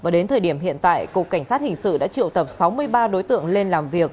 đến thời điểm hiện tại cục cảnh sát hình sự đã triệu tập sáu mươi ba đối tượng lên làm việc